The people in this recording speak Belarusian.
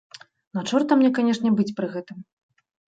На чорта мне канечне быць пры гэтым.